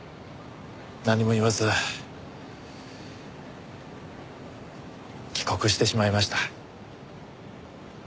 何も言わず帰国してしまいました。